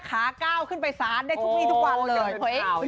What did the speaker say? ขาก้าวขึ้นไปทรานได้ทุกวันเลย